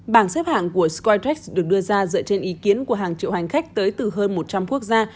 bảng xếp hạng của skytrex được đưa ra dựa trên ý kiến của hàng triệu hành khách tới từ hơn một trăm linh quốc gia